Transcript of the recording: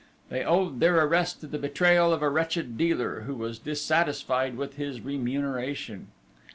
They owed their arrest to the betrayal of a wretched dealer, who was dissatisfied with his remuneration.